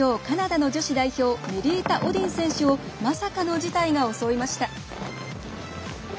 カナダの女子代表メリータ・オディン選手をまさかの事態が襲いました。